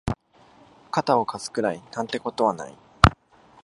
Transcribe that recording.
肩を貸すくらいなんてことはない